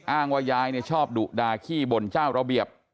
อ้างว่ายายชอบดุดาขี้บ่นเจ้าระเบียบ